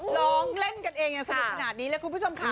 ร้องเล่นกันเองยังสนุกขนาดนี้เลยคุณผู้ชมค่ะ